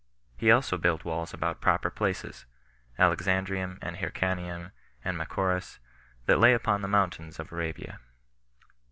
He also built walls about proper places; Alexandrium, and Hyrcanium, and Machaerus, that lay upon the mountains of Arabia.